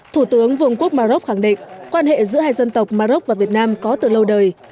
thủ tướng vương quốc mà rốc khẳng định quan hệ giữa hai dân tộc mà rốc và việt nam có từ lâu đời